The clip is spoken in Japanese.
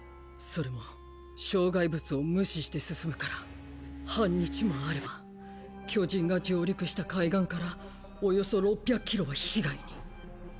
それも障害物を無視して進むから半日もあれば巨人が上陸した海岸からおよそ６００キロは被害に。